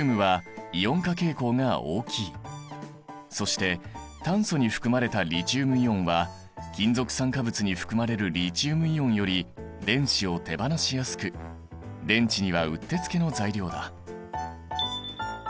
まずそして炭素に含まれたリチウムイオンは金属酸化物に含まれるリチウムイオンより電子を手放しやすく電池にはうってつけの材料だ。